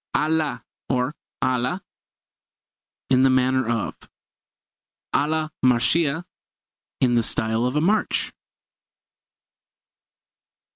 À la, or alla in the manner of. Alla marcia in the style of a march.